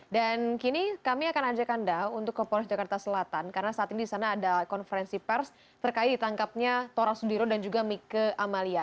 dan kini kami akan ajak anda untuk ke polres jakarta selatan karena saat ini disana ada konferensi pers terkait ditangkapnya tora sudiro dan juga mike amalia